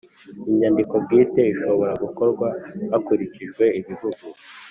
inyandiko bwite ishobora gukorwa hakurikijwe ibihugu